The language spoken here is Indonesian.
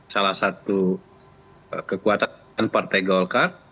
salah satu kekuatan partai golkar